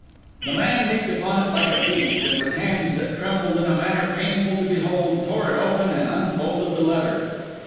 The man leaped upon it like a beast, and with hands that trembled in a manner painful to behold, tore it open and unfolded the letter.